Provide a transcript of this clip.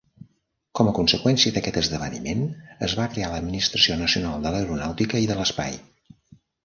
Com a conseqüència d'aquest esdeveniment, es va creat l'Administració Nacional d'Aeronàutica i de l'Espai.